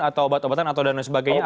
atau obat obatan atau dan sebagainya